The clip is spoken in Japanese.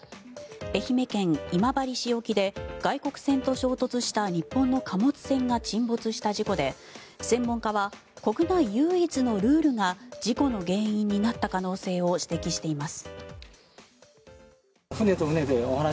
愛媛県今治市沖で外国船と衝突した日本の貨物船が沈没した事故で専門家は国内唯一のルールが事故の原因になった可能性を指摘しています。